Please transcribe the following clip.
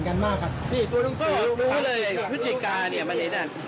เขามาขึ้นในเลขห้าย๒ตัวธรรมดา